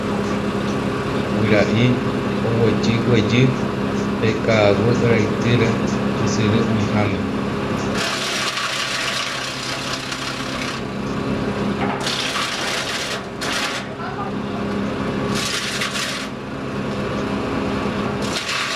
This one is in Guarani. Guyra'i oguejyguejy pe ka'aguy ra'ytýre ysyry oĩháme